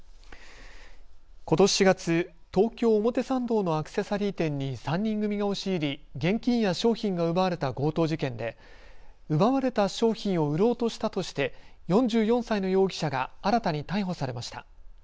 ことし４月、東京表参道のアクセサリー店に３人組が押し入り現金や商品が奪われた強盗事件で奪われた商品を売ろうとしたとして４４歳の容疑者が新たに逮捕されました。